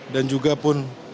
dan juga pun